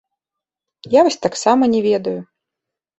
Я вось таксама не ведаю.